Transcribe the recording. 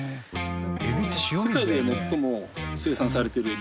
世界で最も生産されてるエビ。